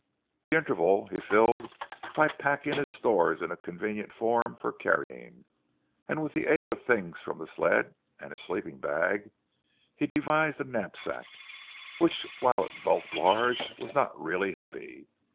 The interval he filled in by packing his stores in a convenient form for carrying, and with the aid of things from the sled and his sleeping bag he devised a knapsack, which whilst it bulked large was not really heavy.